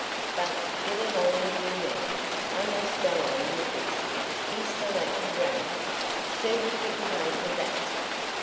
But get along with you now; I must go on with this. Here's the Latin Grammar. See what you can make of that."